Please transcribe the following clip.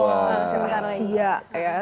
oh terima kasih